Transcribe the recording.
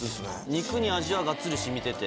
肉に味はがっつり染みてて。